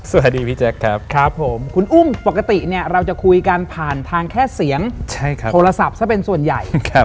สวัสดีพี่แจ๊คครับครับผมคุณอุ้มปกติเนี่ยเราจะคุยกันผ่านทางแค่เสียงโทรศัพท์ซะเป็นส่วนใหญ่